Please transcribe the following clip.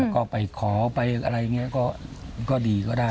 ก็ไปขอไปอะไรอย่างนี้ก็ดีก็ได้